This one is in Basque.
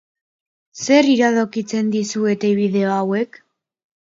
Zer iradokitzen dizuete bideo hauek?